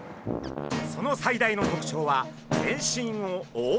その最大の特徴は全身をおおう棘。